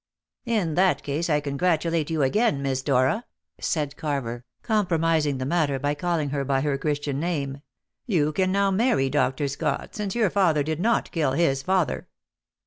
"In that case I congratulate you again, Miss Dora," said Carver, compromising the matter by calling her by her Christian name; "you can now marry Dr. Scott, since your father did not kill his father."